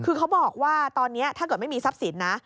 คือเขาบอกว่าตอนนี้ถ้าเกิดไม่มีทรัพย์สินนะ